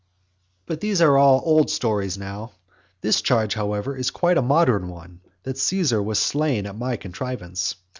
XI. But these are all old stories now. This charge, however, is quite a modern one, that Caesar was slain by my contrivance.